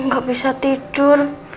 gak bisa tidur